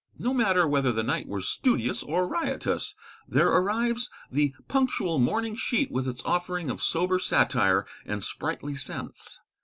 No matter whether the night were studious or riotous, there arrives the punctual morning sheet with its offering of sober satire and sprightly sense.